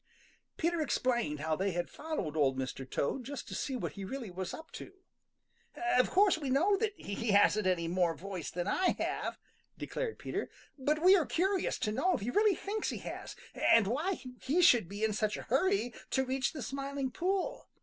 Peter explained how they had followed Old Mr. Toad just to see what he really was up to. "Of course we know that he hasn't any more voice than I have," declared Peter, "but we are curious to know if he really thinks he has, and why he should be in such a hurry to reach the Smiling Pool.